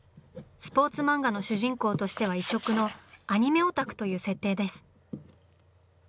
スポーツ漫画の主人公としては異色の「アニメオタク」という設定です。